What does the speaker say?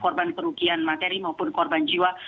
korban kerugian materi maupun korban jiwa